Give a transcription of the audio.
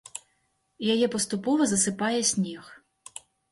Яе паступова засыпае снег.